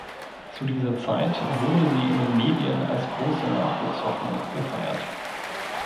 Zu dieser Zeit wurde sie in den Medien als große Nachwuchshoffnung gefeiert.